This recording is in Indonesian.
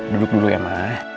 duduk dulu ya ma